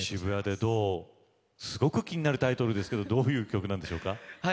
すごく気になるタイトルですけどどういう曲なんでしょうか？